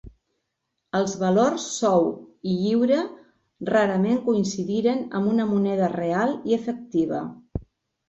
Els valors sou i lliura rarament coincidiren amb una moneda real i efectiva.